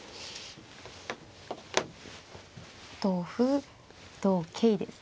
同歩同桂ですか？